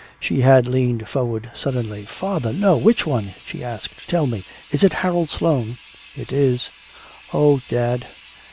She had leaned forward suddenly. "Father! No! Which one?" she asked. "Tell me! Is it Harold Sloane?" "It is." "Oh, dad."